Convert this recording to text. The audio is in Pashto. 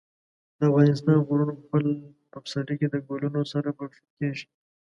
د افغانستان غرونه په پسرلي کې د ګلونو سره پوښل کېږي.